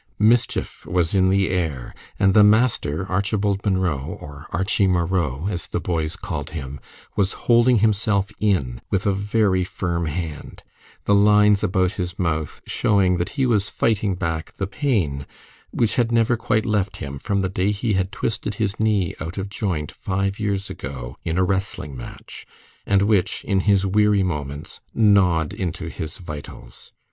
Mischief was in the air, and the master, Archibald Munro, or "Archie Murro," as the boys called him, was holding himself in with a very firm hand, the lines about his mouth showing that he was fighting back the pain which had never quite left him from the day he had twisted his knee out of joint five years ago, in a wrestling match, and which, in his weary moments, gnawed into his vitals.